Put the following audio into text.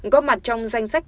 góp mặt trong danh sách